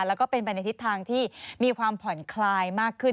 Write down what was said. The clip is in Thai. แล้วก็เป็นไปในทิศทางที่มีความผ่อนคลายมากขึ้น